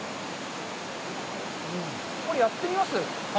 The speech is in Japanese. これ、やってみます？